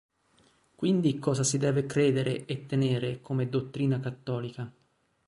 Quindi cosa si deve credere e tenere come dottrina cattolica?